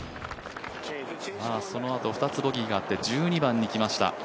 そのあと２つボギーがあって１２番にきました。